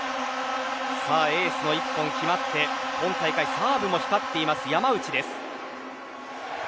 エースの１本が決まって今大会サーブも光っている山内です。